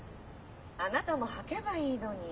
あなたも履けばいいのに。